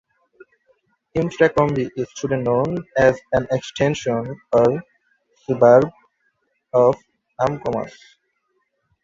Ilfracombe is today known as an extension or suburb of Umkomaas.